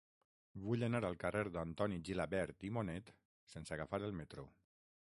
Vull anar al carrer d'Antoni Gilabert i Bonet sense agafar el metro.